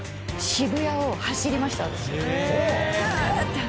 渋谷を走りました私。